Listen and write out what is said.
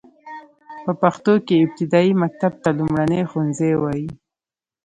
په پښتو کې ابتدايي مکتب ته لومړنی ښوونځی وايي.